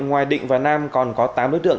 ngoài định và nam còn có tám đối tượng